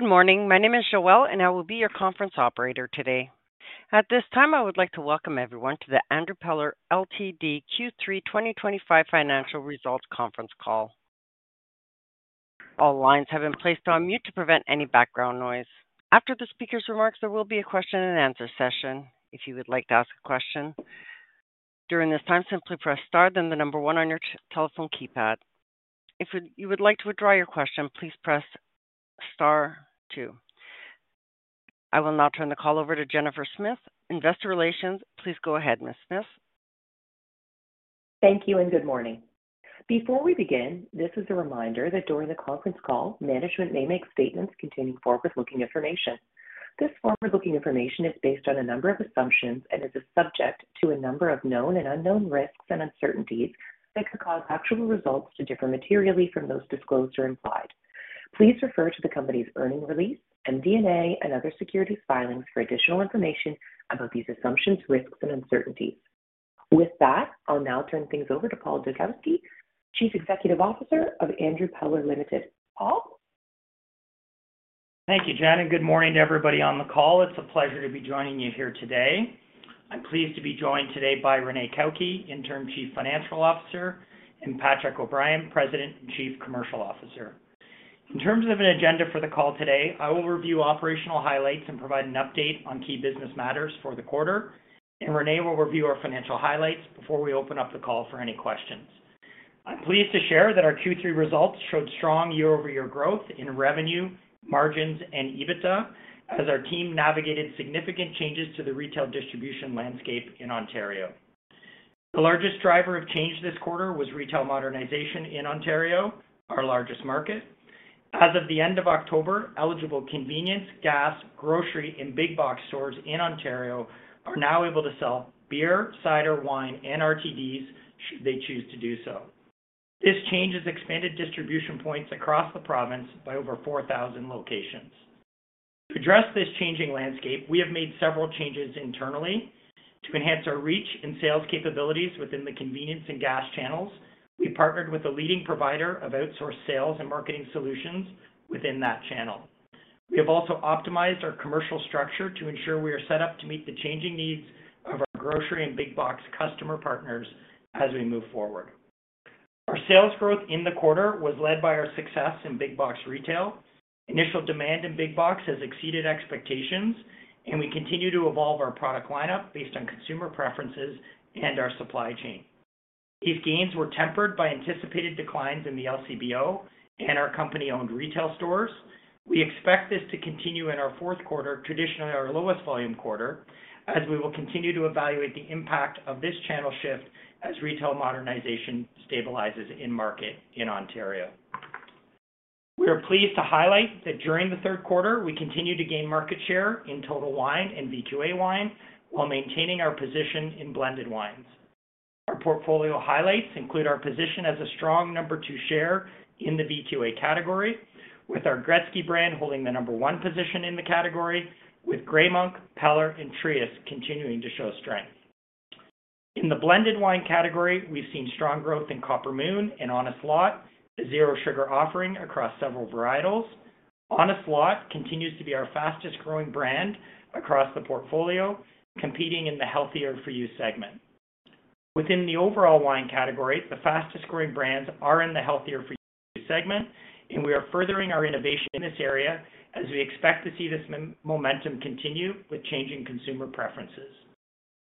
Good morning. My name is Joelle, and I will be your conference operator today. At this time, I would like to welcome everyone to the Andrew Peller Limited Q3 2025 financial results conference call. All lines have been placed on mute to prevent any background noise. After the speaker's remarks, there will be a question-and-answer session. If you would like to ask a question during this time, simply press Star, then the number one on your telephone keypad. If you would like to withdraw your question, please press Star 2. I will now turn the call over to Jennifer Smith, Investor Relations. Please go ahead, Ms. Smith. Thank you, and good morning. Before we begin, this is a reminder that during the conference call, management may make statements containing forward-looking information. This forward-looking information is based on a number of assumptions and is subject to a number of known and unknown risks and uncertainties that could cause actual results to differ materially from those disclosed or implied. Please refer to the company's earnings release, MD&A, and other securities filings for additional information about these assumptions, risks, and uncertainties. With that, I'll now turn things over to Paul Dubkowski, Chief Executive Officer of Andrew Peller Limited. Paul? Thank you, Janet. Good morning to everybody on the call. It's a pleasure to be joining you here today. I'm pleased to be joined today by Renee Cauchi, Interim Chief Financial Officer, and Patrick O'Brien, President and Chief Commercial Officer. In terms of an agenda for the call today, I will review operational highlights and provide an update on key business matters for the quarter, and Renee will review our financial highlights before we open up the call for any questions. I'm pleased to share that our Q3 results showed strong year-over-year growth in revenue, margins, and EBITDA as our team navigated significant changes to the retail distribution landscape in Ontario. The largest driver of change this quarter was retail modernization in Ontario, our largest market. As of the end of October, eligible convenience, gas, grocery, and big-box stores in Ontario are now able to sell beer, cider, wine, and RTDs should they choose to do so. This change has expanded distribution points across the province by over 4,000 locations. To address this changing landscape, we have made several changes internally to enhance our reach and sales capabilities within the convenience and gas channels. We partnered with a leading provider of outsourced sales and marketing solutions within that channel. We have also optimized our commercial structure to ensure we are set up to meet the changing needs of our grocery and big-box customer partners as we move forward. Our sales growth in the quarter was led by our success in big-box retail. Initial demand in big-box has exceeded expectations, and we continue to evolve our product lineup based on consumer preferences and our supply chain. These gains were tempered by anticipated declines in the LCBO and our company-owned retail stores. We expect this to continue in our fourth quarter, traditionally our lowest volume quarter, as we will continue to evaluate the impact of this channel shift as retail modernization stabilizes in market in Ontario. We are pleased to highlight that during the third quarter, we continue to gain market share in total wine and VQA wine while maintaining our position in blended wines. Our portfolio highlights include our position as a strong number two share in the VQA category, with our Gretzky brand holding the number one position in the category, with Gray Monk, Peller, and Trius continuing to show strength. In the blended wine category, we've seen strong growth in Copper Moon and Honest Lot, a zero-sugar offering across several varietals. Honest Lot continues to be our fastest-growing brand across the portfolio, competing in the healthier-for-you segment. Within the overall wine category, the fastest-growing brands are in the healthier-for-you segment, and we are furthering our innovation in this area as we expect to see this momentum continue with changing consumer preferences.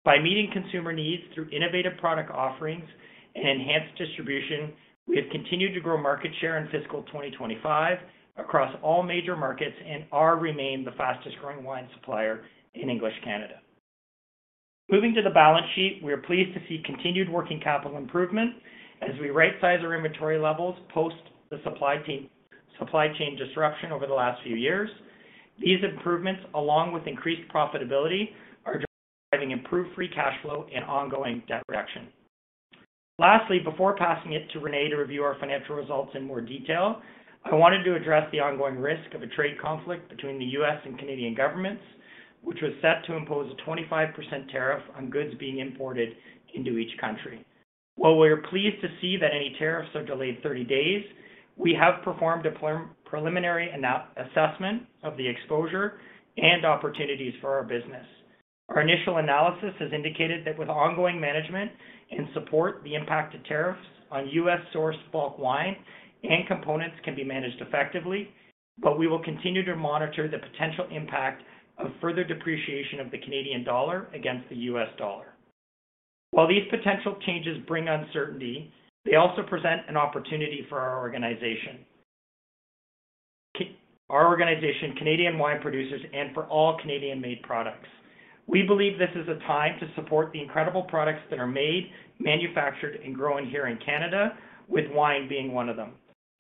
By meeting consumer needs through innovative product offerings and enhanced distribution, we have continued to grow market share in fiscal 2025 across all major markets and have remained the fastest-growing wine supplier in English Canada. Moving to the balance sheet, we are pleased to see continued working capital improvement as we right-size our inventory levels post the supply chain disruption over the last few years. These improvements, along with increased profitability, are driving improved free cash flow and ongoing debt reduction. Lastly, before passing it to Renee to review our financial results in more detail, I wanted to address the ongoing risk of a trade conflict between the U.S. and Canadian governments, which was set to impose a 25% tariff on goods being imported into each country. While we are pleased to see that any tariffs are delayed 30 days, we have performed a preliminary assessment of the exposure and opportunities for our business. Our initial analysis has indicated that with ongoing management and support, the impact of tariffs on U.S.-sourced bulk wine and components can be managed effectively, but we will continue to monitor the potential impact of further depreciation of the Canadian dollar against the U.S. dollar. While these potential changes bring uncertainty, they also present an opportunity for our organization, Canadian wine producers, and for all Canadian-made products. We believe this is a time to support the incredible products that are made, manufactured, and grown here in Canada, with wine being one of them.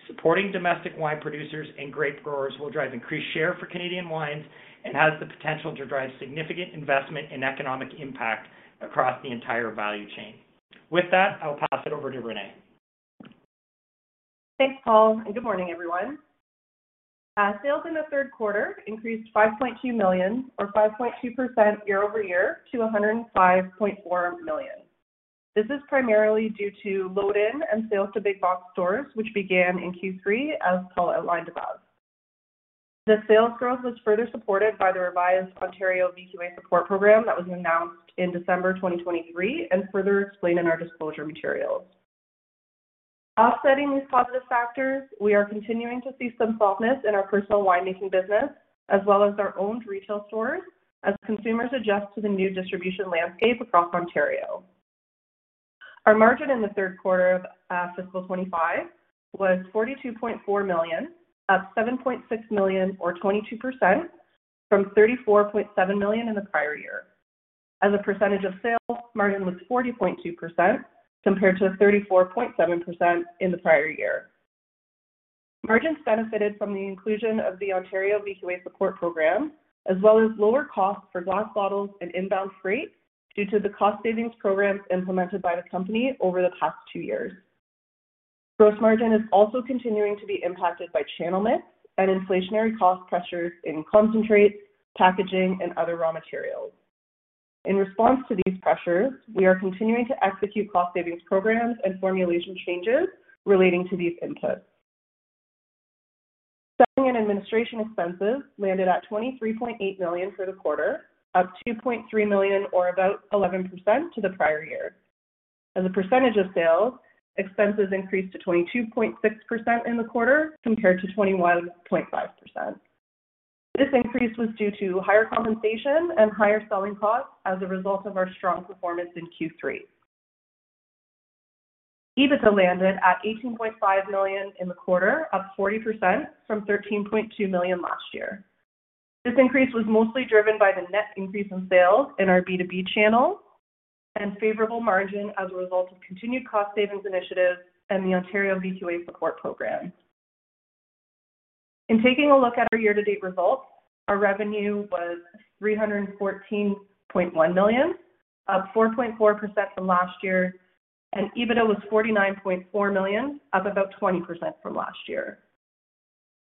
Supporting domestic wine producers and grape growers will drive increased share for Canadian wines and has the potential to drive significant investment and economic impact across the entire value chain. With that, I'll pass it over to Renee. Thanks, Paul, and good morning, everyone. Sales in the third quarter increased 5.2 million, or 5.2% year-over-year, to 105.4 million. This is primarily due to load-in and sales to big-box stores, which began in Q3, as Paul outlined above. The sales growth was further supported by the revised Ontario VQA Support Program that was announced in December 2023 and further explained in our disclosure materials. Offsetting these positive factors, we are continuing to see some softness in our personal winemaking business, as well as our owned retail stores, as consumers adjust to the new distribution landscape across Ontario. Our margin in the third quarter of fiscal 2025 was 42.4 million, up 7.6 million, or 22%, from 34.7 million in the prior year. As a percentage of sales, margin was 40.2% compared to 34.7% in the prior year. Margins benefited from the inclusion of the Ontario VQA Support Program, as well as lower costs for glass bottles and inbound freight due to the cost savings programs implemented by the company over the past two years. Gross margin is also continuing to be impacted by channel mix and inflationary cost pressures in concentrates, packaging, and other raw materials. In response to these pressures, we are continuing to execute cost savings programs and formulation changes relating to these inputs. Selling and administration expenses landed at 23.8 million for the quarter, up 2.3 million, or about 11%, to the prior year. As a percentage of sales, expenses increased to 22.6% in the quarter compared to 21.5%. This increase was due to higher compensation and higher selling costs as a result of our strong performance in Q3. EBITDA landed at 18.5 million in the quarter, up 40%, from 13.2 million last year. This increase was mostly driven by the net increase in sales in our B2B channel and favorable margin as a result of continued cost savings initiatives and the Ontario VQA Support Program. In taking a look at our year-to-date results, our revenue was 314.1 million, up 4.4% from last year, and EBITDA was 49.4 million, up about 20% from last year.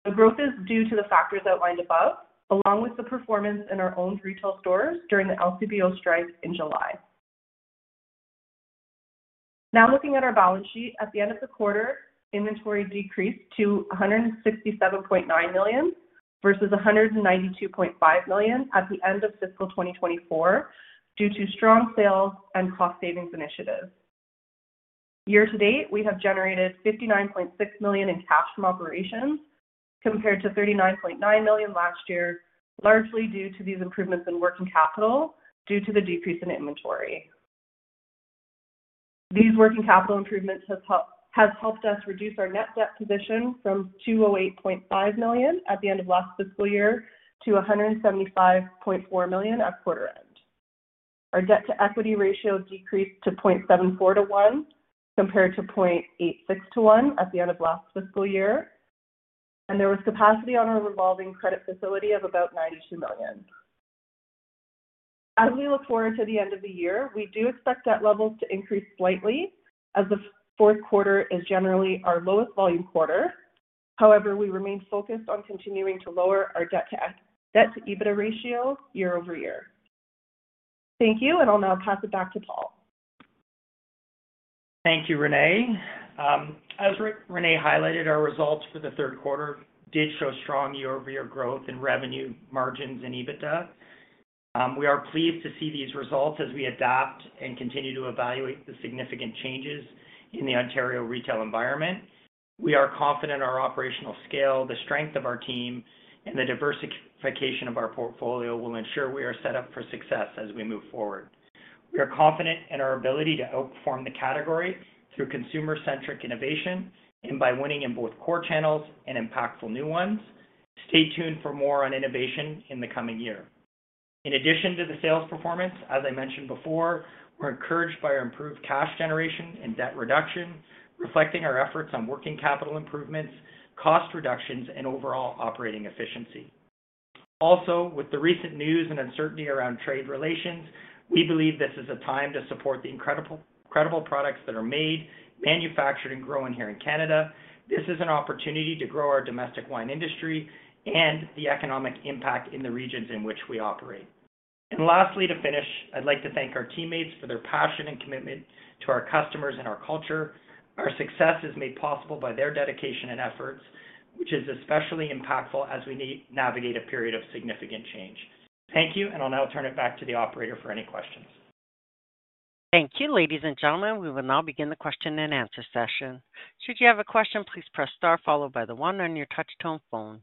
The growth is due to the factors outlined above, along with the performance in our owned retail stores during the LCBO strike in July. Now looking at our balance sheet, at the end of the quarter, inventory decreased to 167.9 million versus 192.5 million at the end of fiscal 2024 due to strong sales and cost savings initiatives. Year-to-date, we have generated 59.6 million in cash from operations compared to 39.9 million last year, largely due to these improvements in working capital due to the decrease in inventory. These working capital improvements have helped us reduce our net debt position from 208.5 million at the end of last fiscal year to 175.4 million at quarter end. Our debt-to-equity ratio decreased to 0.74 to 1 compared to 0.86 to 1 at the end of last fiscal year, and there was capacity on our revolving credit facility of about 92 million. As we look forward to the end of the year, we do expect debt levels to increase slightly as the fourth quarter is generally our lowest volume quarter. However, we remain focused on continuing to lower our debt-to-EBITDA ratio year-over-year. Thank you, and I'll now pass it back to Paul. Thank you, Renee. As Renee highlighted, our results for the third quarter did show strong year-over-year growth in revenue, margins, and EBITDA. We are pleased to see these results as we adapt and continue to evaluate the significant changes in the Ontario retail environment. We are confident our operational scale, the strength of our team, and the diversification of our portfolio will ensure we are set up for success as we move forward. We are confident in our ability to outperform the category through consumer-centric innovation and by winning in both core channels and impactful new ones. Stay tuned for more on innovation in the coming year. In addition to the sales performance, as I mentioned before, we're encouraged by our improved cash generation and debt reduction, reflecting our efforts on working capital improvements, cost reductions, and overall operating efficiency. Also, with the recent news and uncertainty around trade relations, we believe this is a time to support the incredible products that are made, manufactured, and grown here in Canada. This is an opportunity to grow our domestic wine industry and the economic impact in the regions in which we operate. Lastly, to finish, I'd like to thank our teammates for their passion and commitment to our customers and our culture. Our success is made possible by their dedication and efforts, which is especially impactful as we navigate a period of significant change. Thank you, and I'll now turn it back to the operator for any questions. Thank you, ladies and gentlemen. We will now begin the question and answer session. Should you have a question, please press star, followed by the one on your touch-tone phone.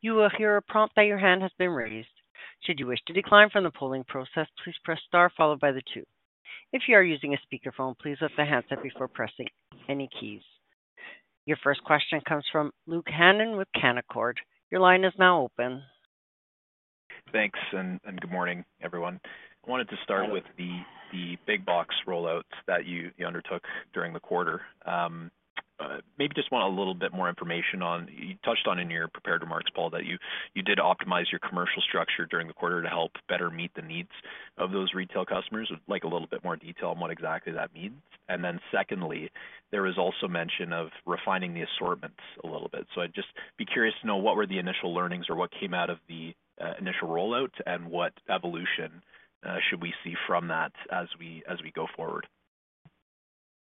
You will hear a prompt that your hand has been raised. Should you wish to decline from the polling process, please press star, followed by the two. If you are using a speakerphone, please lift the handset before pressing any keys. Your first question comes from Luke Hannan with Canaccord. Your line is now open. Thanks, and good morning, everyone. I wanted to start with the big-box rollouts that you undertook during the quarter. Maybe just want a little bit more information on you touched on in your prepared remarks, Paul, that you did optimize your commercial structure during the quarter to help better meet the needs of those retail customers. Like a little bit more detail on what exactly that means. Secondly, there was also mention of refining the assortments a little bit. I would just be curious to know what were the initial learnings or what came out of the initial rollout and what evolution should we see from that as we go forward?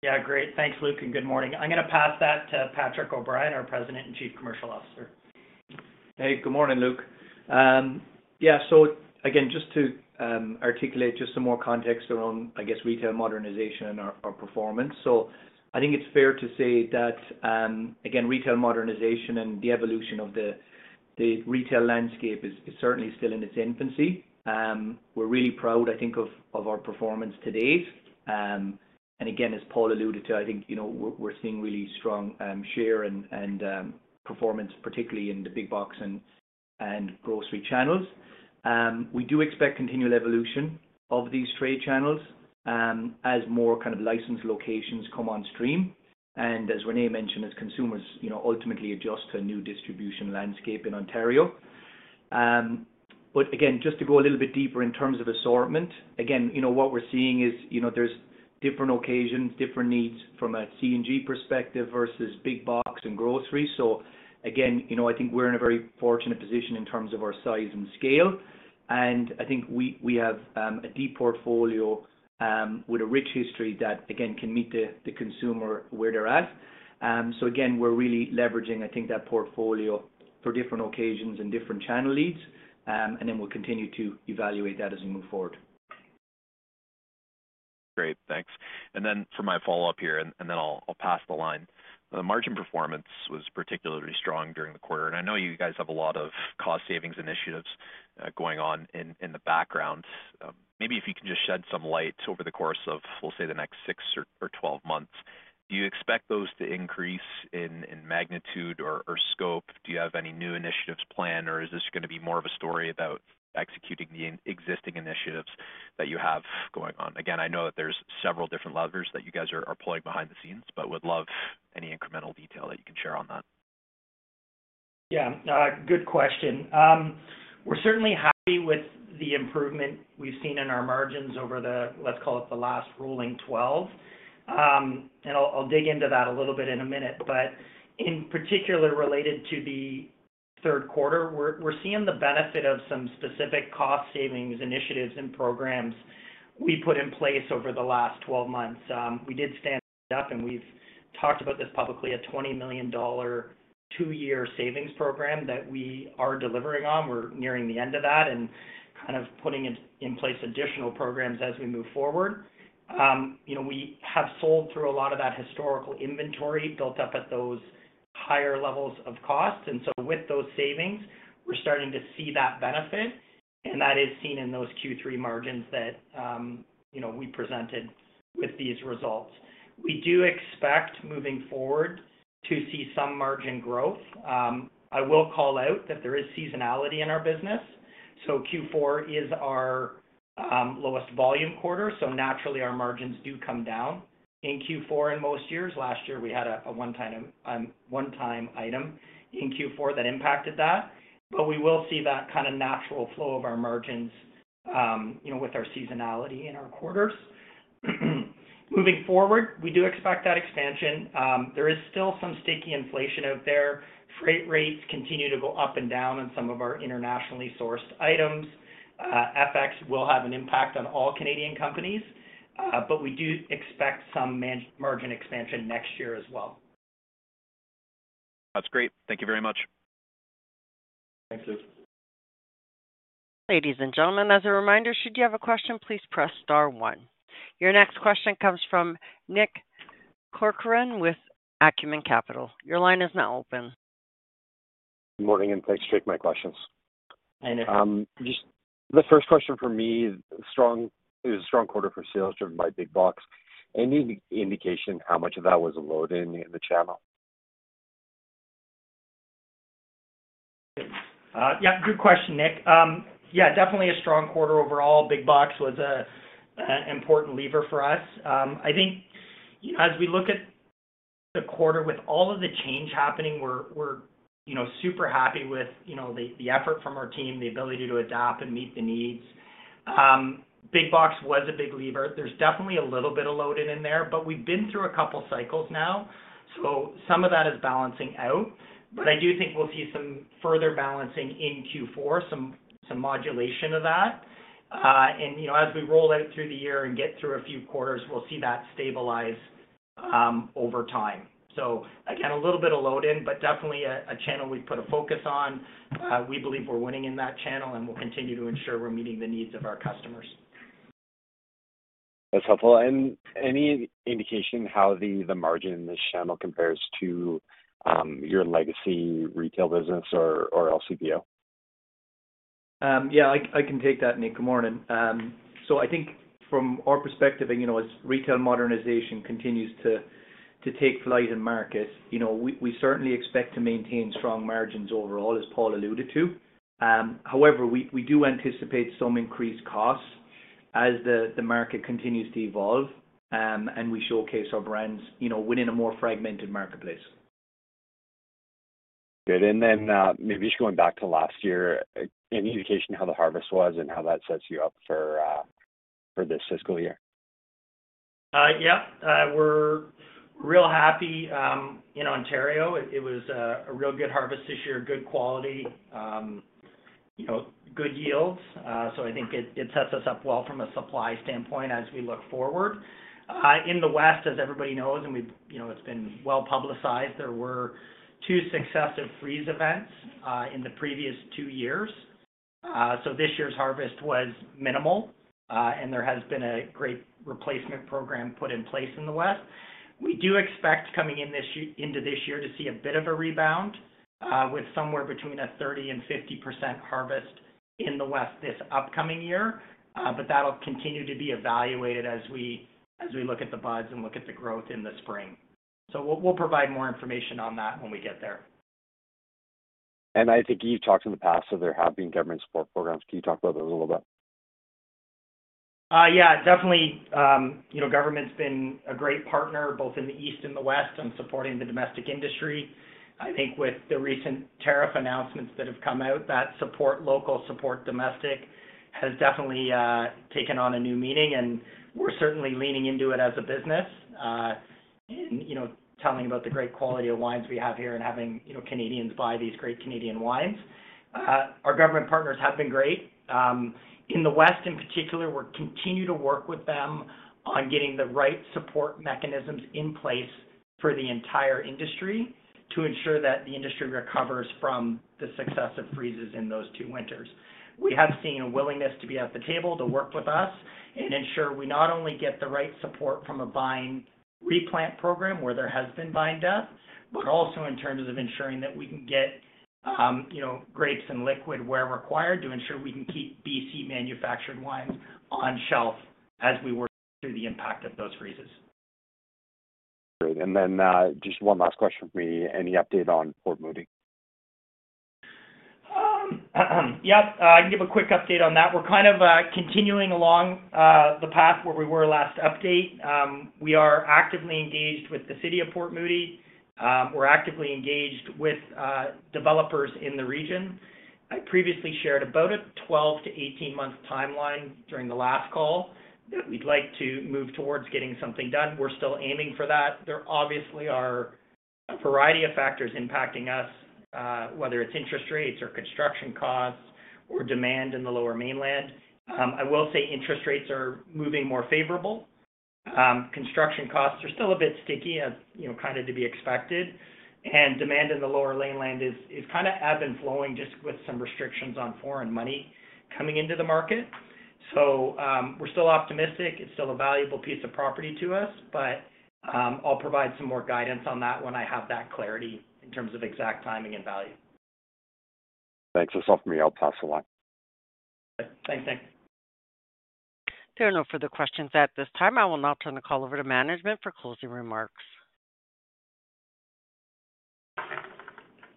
Yeah, great. Thanks, Luke, and good morning. I'm going to pass that to Patrick O'Brien, our President and Chief Commercial Officer. Hey, good morning, Luke. Yeah, just to articulate some more context around, I guess, retail modernization and our performance. I think it's fair to say that retail modernization and the evolution of the retail landscape is certainly still in its infancy. We're really proud, I think, of our performance to date. As Paul alluded to, I think we're seeing really strong share and performance, particularly in the big-box and grocery channels. We do expect continued evolution of these trade channels as more licensed locations come on stream and, as Renee mentioned, as consumers ultimately adjust to a new distribution landscape in Ontario. Just to go a little bit deeper in terms of assortment, what we're seeing is there's different occasions, different needs from a C&G perspective versus big-box and grocery. I think we're in a very fortunate position in terms of our size and scale. I think we have a deep portfolio with a rich history that, again, can meet the consumer where they're at. We're really leveraging, I think, that portfolio for different occasions and different channel leads. We'll continue to evaluate that as we move forward. Great, thanks. For my follow-up here, and then I'll pass the line. The margin performance was particularly strong during the quarter. I know you guys have a lot of cost savings initiatives going on in the background. Maybe if you can just shed some light over the course of, we'll say, the next 6 or 12 months. Do you expect those to increase in magnitude or scope? Do you have any new initiatives planned, or is this going to be more of a story about executing the existing initiatives that you have going on? Again, I know that there's several different levers that you guys are pulling behind the scenes, but would love any incremental detail that you can share on that. Yeah, good question. We're certainly happy with the improvement we've seen in our margins over the, let's call it the last rolling 12. I'll dig into that a little bit in a minute. In particular, related to the third quarter, we're seeing the benefit of some specific cost savings initiatives and programs we put in place over the last 12 months. We did stand up, and we've talked about this publicly, a 20 million dollar two-year savings program that we are delivering on. We're nearing the end of that and kind of putting in place additional programs as we move forward. We have sold through a lot of that historical inventory built up at those higher levels of cost. With those savings, we're starting to see that benefit. That is seen in those Q3 margins that we presented with these results. We do expect moving forward to see some margin growth. I will call out that there is seasonality in our business. Q4 is our lowest volume quarter. Naturally, our margins do come down. In Q4 in most years, last year we had a one-time item in Q4 that impacted that. We will see that kind of natural flow of our margins with our seasonality in our quarters. Moving forward, we do expect that expansion. There is still some sticky inflation out there. Freight rates continue to go up and down on some of our internationally sourced items. FX will have an impact on all Canadian companies. We do expect some margin expansion next year as well. That's great. Thank you very much. Thank you. Ladies and gentlemen, as a reminder, should you have a question, please press star one. Your next question comes from Nick Corcoran with Acumen Capital. Your line is now open. Good morning, and thanks for taking my questions. And if. Just the first question for me, it was a strong quarter for sales driven by big-box. Any indication how much of that was a load-in in the channel? Yeah, good question, Nick. Yeah, definitely a strong quarter overall. Big-box was an important lever for us. I think as we look at the quarter with all of the change happening, we're super happy with the effort from our team, the ability to adapt and meet the needs. Big-box was a big lever. There's definitely a little bit of load-in in there, but we've been through a couple of cycles now. Some of that is balancing out. I do think we'll see some further balancing in Q4, some modulation of that. As we roll out through the year and get through a few quarters, we'll see that stabilize over time. Again, a little bit of load-in, but definitely a channel we've put a focus on. We believe we're winning in that channel, and we'll continue to ensure we're meeting the needs of our customers. That's helpful. Any indication how the margin in this channel compares to your legacy retail business or LCBO? Yeah, I can take that, Nick. Good morning. I think from our perspective, as retail modernization continues to take flight in markets, we certainly expect to maintain strong margins overall, as Paul alluded to. However, we do anticipate some increased costs as the market continues to evolve and we showcase our brands within a more fragmented marketplace. Good. Maybe just going back to last year, any indication how the harvest was and how that sets you up for this fiscal year? Yeah, we're real happy in Ontario. It was a real good harvest this year, good quality, good yields. I think it sets us up well from a supply standpoint as we look forward. In the west, as everybody knows, and it's been well publicized, there were two successive freeze events in the previous two years. This year's harvest was minimal, and there has been a great replacement program put in place in the west. We do expect coming into this year to see a bit of a rebound with somewhere between a 30-50% harvest in the west this upcoming year. That'll continue to be evaluated as we look at the buds and look at the growth in the spring. We'll provide more information on that when we get there. I think you've talked in the past of there have been government support programs. Can you talk about those a little bit? Yeah, definitely. Government's been a great partner both in the east and the west on supporting the domestic industry. I think with the recent tariff announcements that have come out, that support local, support domestic has definitely taken on a new meaning. We're certainly leaning into it as a business and telling about the great quality of wines we have here and having Canadians buy these great Canadian wines. Our government partners have been great. In the west, in particular, we're continuing to work with them on getting the right support mechanisms in place for the entire industry to ensure that the industry recovers from the successive freezes in those two winters. We have seen a willingness to be at the table to work with us and ensure we not only get the right support from a vine replant program where there has been vine death, but also in terms of ensuring that we can get grapes and liquid where required to ensure we can keep BC manufactured wines on shelf as we work through the impact of those freezes. Great. Just one last question for me. Any update on Port Moody? Yep, I can give a quick update on that. We're kind of continuing along the path where we were last update. We are actively engaged with the city of Port Moody. We're actively engaged with developers in the region. I previously shared about a 12-18 month timeline during the last call that we'd like to move towards getting something done. We're still aiming for that. There obviously are a variety of factors impacting us, whether it's interest rates or construction costs or demand in the Lower Mainland. I will say interest rates are moving more favorable. Construction costs are still a bit sticky, kind of to be expected. Demand in the Lower Mainland is kind of ebb and flowing just with some restrictions on foreign money coming into the market. We're still optimistic. It's still a valuable piece of property to us. I'll provide some more guidance on that when I have that clarity in terms of exact timing and value. Thanks. That's all from me. I'll pass the line. Thanks, Nick. There are no further questions at this time. I will now turn the call over to management for closing remarks.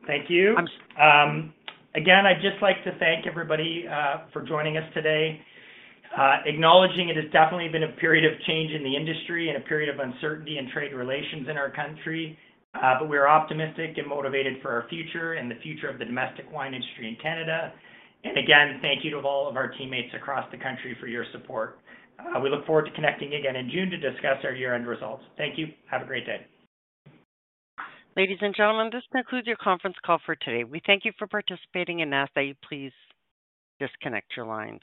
Thank you. Again, I'd just like to thank everybody for joining us today. Acknowledging it has definitely been a period of change in the industry and a period of uncertainty in trade relations in our country. We are optimistic and motivated for our future and the future of the domestic wine industry in Canada. Again, thank you to all of our teammates across the country for your support. We look forward to connecting again in June to discuss our year-end results. Thank you. Have a great day. Ladies and gentlemen, this concludes your conference call for today. We thank you for participating and ask that you please disconnect your lines.